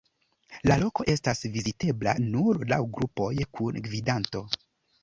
La loko estas vizitebla nur laŭ grupoj, kun gvidanto.